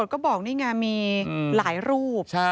ก็บอกนี่ไงมีหลายรูป